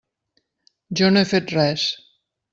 Jo no he fet res.